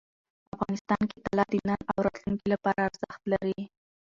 افغانستان کې طلا د نن او راتلونکي لپاره ارزښت لري.